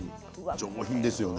上品ですよね。